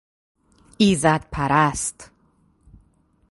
ایزد پرست